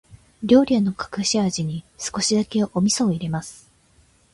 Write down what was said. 料理の隠し味に、少しだけお味噌を入れます。